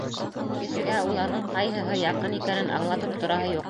Кешегә уларҙың ҡайһыһы яҡын икәнен аңлатып тораһы юҡ.